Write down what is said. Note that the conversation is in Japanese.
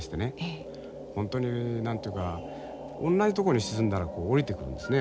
本当に何て言うかおんなじとこに沈んだら下りてくるんですね。